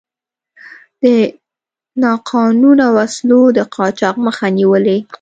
د ناقانونه وسلو د قاچاق مخه نیولې.